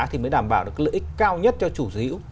thì mới đảm bảo được lợi ích cao nhất cho chủ dữ